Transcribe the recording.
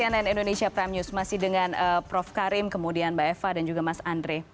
cnn indonesia prime news masih dengan prof karim kemudian mbak eva dan juga mas andre